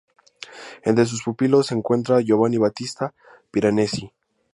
Entre sus pupilos se encuentra Giovanni Battista Piranesi.